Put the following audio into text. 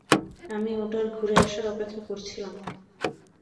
আমি ওটার ঘুরে আসার অপেক্ষা করছিলাম।